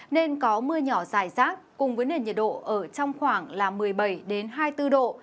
nên có mưa nhỏ dài rác cùng với nền nhiệt độ ở trong khoảng một mươi bảy hai mươi bốn độ